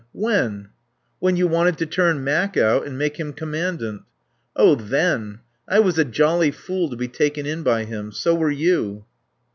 "When you wanted to turn Mac out and make him commandant." "Oh, then I was a jolly fool to be taken in by him. So were you."